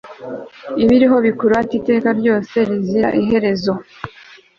ibiriho bikurate iteka ryose rizira iherezo